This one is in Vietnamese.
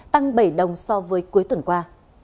tăng bảy đồng so với cuối tuần qua